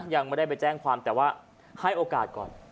ยังไม่ได้ไปแจ้งความแต่ว่าให้โอกาสก่อน